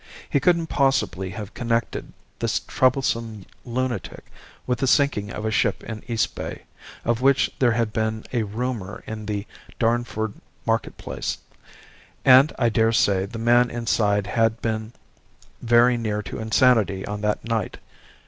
He couldn't possibly have connected this troublesome lunatic with the sinking of a ship in Eastbay, of which there had been a rumour in the Darnford marketplace. And I daresay the man inside had been very near to insanity on that night.